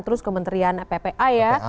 terus kementerian ppa ya